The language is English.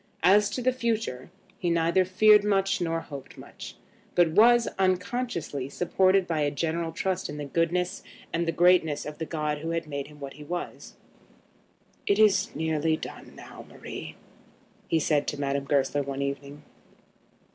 As to the future, he neither feared much nor hoped much; but was, unconsciously, supported by a general trust in the goodness and the greatness of the God who had made him what he was. "It is nearly done now, Marie," he said to Madame Goesler one evening.